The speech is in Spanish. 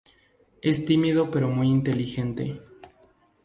Es tímido pero muy inteligente.